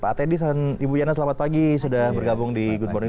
pak teddy dan ibu yana selamat pagi sudah bergabung di good morning